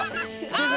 ああ！